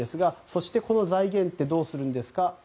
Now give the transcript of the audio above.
そして、この財源ってどうするんですか？